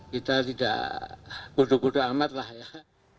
kita tidak budu budu amat lah ya